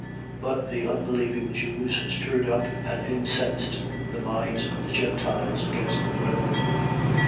14:2. But the unbelieving Jews stirred up and incensed the minds of the Gentiles against the brethren.